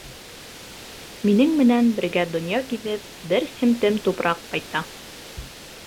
Минең менән бергә донъя гиҙеп бер семтем тупраҡ ҡайта.